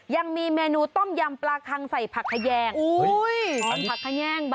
ยังมีเมนูต้มยำปลาคังใส่ผักแขแยง